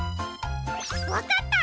わかった！